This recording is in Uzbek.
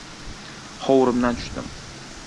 Hovurimdan tushdim.